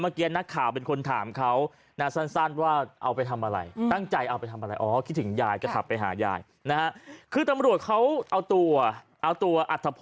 เคยขับไปหายายอ่ะครับ